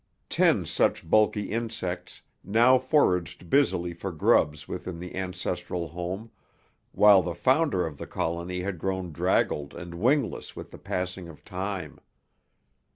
Ten such bulky insects now foraged busily for grubs within the ancestral home, while the founder of the colony had grown draggled and wingless with the passing of time.